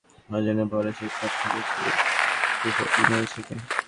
শিক্ষা-বিষয়ক video, গল্প, খেলার আয়োজনে ভরা সেই ট্যাব থেকে শিশুরা ইংরেজি শেখে।